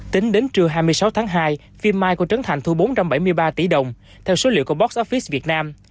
tính đến trưa hai mươi sáu tháng hai phim mai của trấn thành thu bốn trăm bảy mươi ba tỷ đồng theo số liệu của box office việt nam